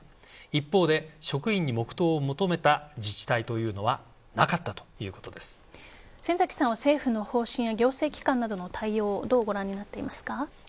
一方で、職員に黙祷を求めた自治体というのは先崎さんは政府の方針や行政機関の対応をどうご覧になっていますか？